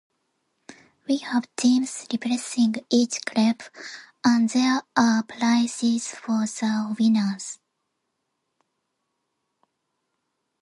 We have teams representing each grade, and there are prizes for the winners.